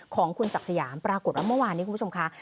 ของคุณศักดิ์สยามปรากฏว่าเมื่อวานนี้คุณผู้ชมค่ะ